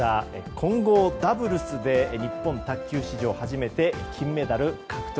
混合ダブルスで日本卓球史上初めて金メダル獲得。